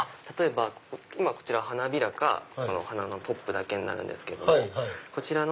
例えばこちら花びらかお花のトップだけになるんですけど。